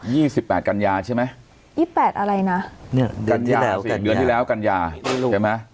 ยี่สิบแปดกัญญาใช่ไหมยี่แปดอะไรนะเดือนที่แล้วกัญญาใช่ไหม